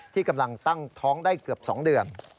ที่กำลังตั้งท้องได้เกือบ๒เดือน